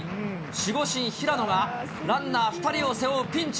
守護神、平野がランナー２人を背負うピンチ。